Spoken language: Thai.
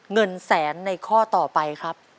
เงินแสนในข้อต่อไปครับ